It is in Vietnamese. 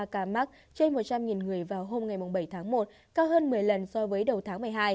năm trăm hai mươi ba ca mắc trên một trăm linh người vào hôm ngày bảy tháng một cao hơn một mươi lần so với đầu tháng một mươi hai